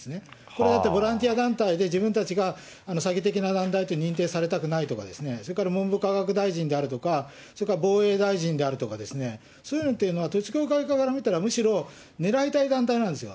これだって、ボランティア団体で、自分たちが詐欺的な団体って認定されたくないとか、それから文部科学大臣であるとか、それから防衛大臣であるとか、そういうのっていうのは統一教会側から見たら、むしろ、狙いたい団体なんですよ。